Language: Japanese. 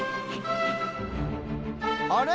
あれ？